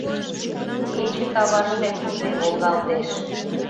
Кече каваште кузе волгалтеш